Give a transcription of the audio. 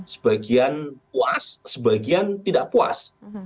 sebagian puas sebagian tidak puas